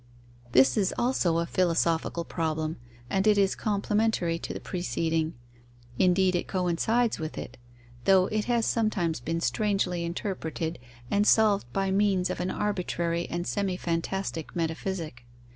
This is also a philosophical problem, and it is complementary to the preceding, indeed it coincides with it, though it has sometimes been strangely interpreted and solved by means of an arbitrary and semi fantastic metaphysic.